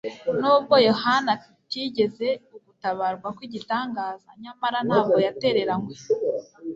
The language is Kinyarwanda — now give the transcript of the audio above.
Nubwo Yohana atagize ugutabarwa kw'igitangaza, nyamara ntabwo yatereranywe.